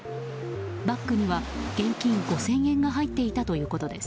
バッグには現金５０００円が入っていたということです。